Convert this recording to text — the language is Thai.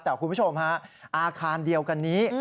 แต่คุณผู้ชมฮะอาคารเดียวกันนี้